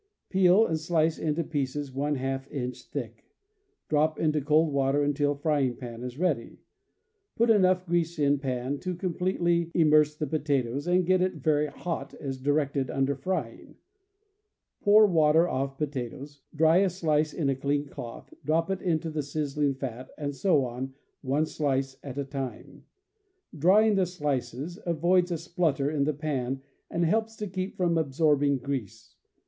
— Peel, and slice into pieces h inch thick. Drop into cold water until frying pan is ready. Put enough grease in pan to completely im merse the potatoes, and get it very hot, as directed under Frying. Pour water off potatoes, dry a slice in a clean cloth, drop it into the sizzling fat, and so on, one slice at a time. Drying the slices avoids a splutter in the pan and helps to keep from absorbing grease.